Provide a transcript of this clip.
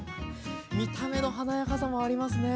見た目の華やかさもありますね。